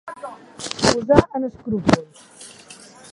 Posar en escrúpol.